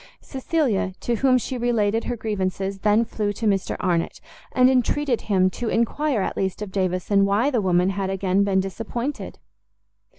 Cecilia, to whom she related her grievances, then flew to Mr Arnott, and entreated him to enquire at least of Davison why the woman had again been disappointed.